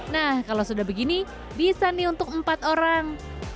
nah kalau sudah begini bisa nih untuk empat orang